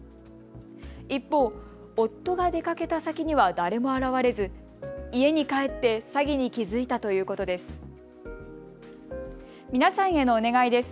一方、夫が出かけた先には誰も現れず家に帰って詐欺に気付いたということです。